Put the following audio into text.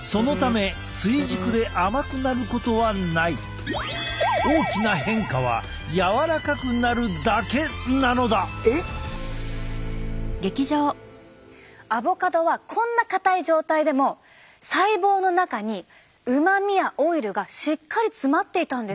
そのため大きな変化はアボカドはこんな硬い状態でも細胞の中にうまみやオイルがしっかり詰まっていたんです。